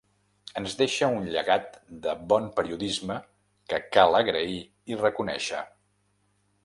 Ens deixa un llegat de bon periodisme que cal agrair i reconèixer.